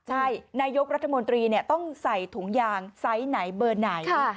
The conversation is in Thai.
ใช่นายกรัฐมนตรีต้องใส่ถุงยางไซส์ไหนเบอร์ไหน